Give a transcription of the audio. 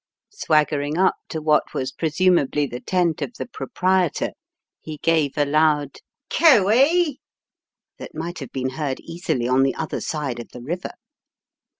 Swaggering up to what was presuma bly the tent of the proprietor, he gave a loud "Coo ee!" that might have been heard easily on the other side of the river.